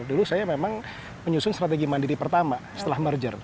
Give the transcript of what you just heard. dulu saya memang menyusun strategi mandiri pertama setelah merger